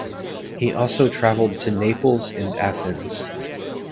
He also travelled to Naples and Athens.